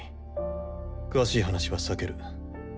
詳しい話は避ける。